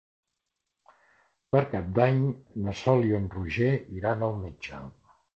Per Cap d'Any na Sol i en Roger iran al metge.